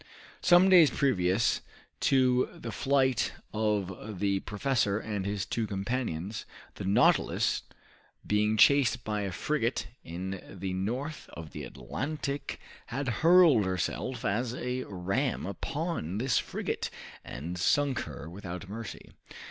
Some days previous to the flight of the professor and his two companions, the "Nautilus," being chased by a frigate in the north of the Atlantic had hurled herself as a ram upon this frigate, and sunk her without mercy.